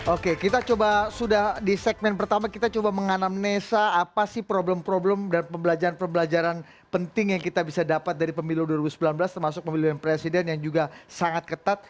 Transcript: oke kita coba sudah di segmen pertama kita coba menganamnesa apa sih problem problem dan pembelajaran pembelajaran penting yang kita bisa dapat dari pemilu dua ribu sembilan belas termasuk pemilihan presiden yang juga sangat ketat